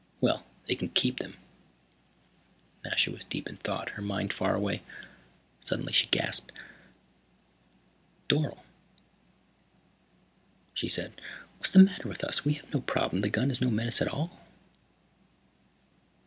Well, they can keep them." Nasha was deep in thought, her mind far away. Suddenly she gasped. "Dorle," she said. "What's the matter with us? We have no problem. The gun is no menace at all."